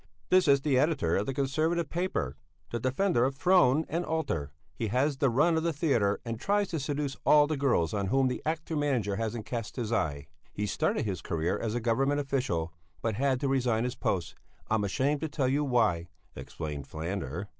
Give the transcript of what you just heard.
"This is the editor of the Conservative paper, the defender of throne and altar. He has the run of the theatre and tries to seduce all the girls on whom the actor manager hasn't cast his eye. He started his career as a Government official, but had to resign his post, I'm ashamed to tell you why," explained Falander.